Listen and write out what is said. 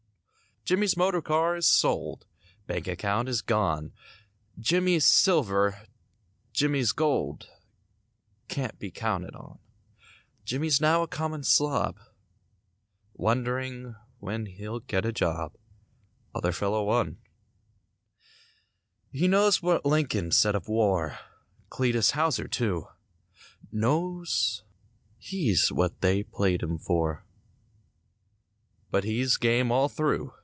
Jimmie's motor car is sold; Bank account is gone; Jimmie's silver, Jimmie's gold Can't be counted on. Jimmie's now a common slob, Wond'ring when he'll get a job— Other fellow won. He knows what Lincoln said of war— Cletus Houser, too. Knows he's what they played him for— But he's game all through.